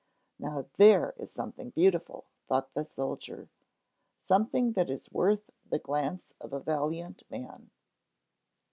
Now, there is something beautiful! thought the soldier, something that is worth the glance of a valiant man!